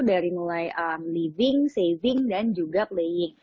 dari mulai living saving dan juga playing